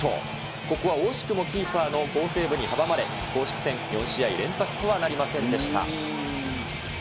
ここは惜しくもキーパーの好セーブに阻まれ、公式戦４試合連発とはなりませんでした。